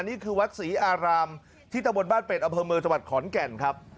นี่คือวัดศรีอารามที่ตะวดบ้านเป็ดอบฮมือสวรรค์ขอนแก่นครับ